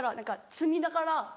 罪だから？